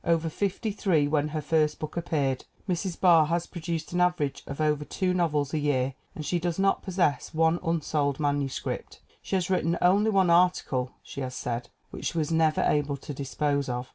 Over fifty three when her first book appeared, Mrs. Barr has produced an average of over two novels a year and she does not possess one unsold manuscript. She has written only one article, she has said, which she was never able to dispose of.